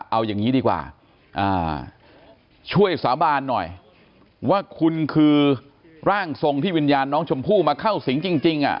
เอาอย่างนี้ดีกว่าช่วยสาบานหน่อยว่าคุณคือร่างทรงที่วิญญาณน้องชมพู่มาเข้าสิงจริง